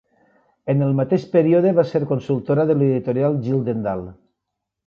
En el mateix període va ser consultora de l'editorial Gyldendal.